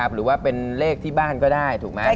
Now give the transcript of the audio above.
หรือว่าเป็นเลขที่บ้านก็ได้ถูกไหม